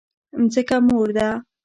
ځمکه مور ده؟